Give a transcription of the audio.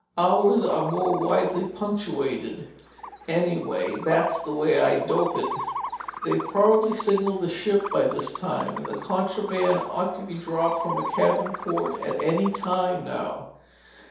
Ours are more widely punctuated. Anyhow, that's the way I dope it. They've probably signaled the ship by this time, and the contraband ought to be dropped from a cabin port at any time now."